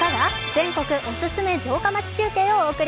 全国おすすめ城下町中継です。